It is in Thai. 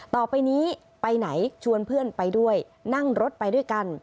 ต่อไปนี้ไปไหนชวนเพื่อนไปด้วยนั่งรถไปด้วยกัน